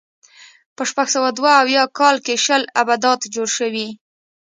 په شپږ سوه دوه اویا کال کې شل ابدات جوړ شوي.